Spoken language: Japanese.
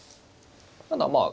ただまあ